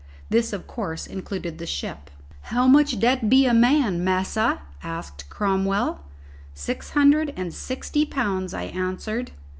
This of course included the ship. "How much'll dat be a man, massa?" asked Cromwell. "Six hundred and sixty pounds," I answered.